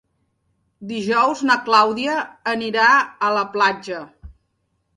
Dijous na Clàudia anirà a la platja.